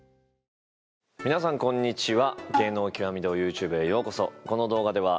皆さんこんにちは。